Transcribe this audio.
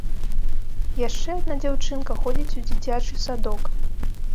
Яшчэ адна дзяўчынка ходзіць у дзіцячы садок.